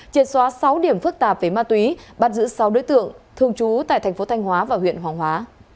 triệt xóa sáu điểm phức tạp về ma túy bắt giữ sáu đối tượng thường trú tại thành phố thanh hóa và huyện hoàng hóa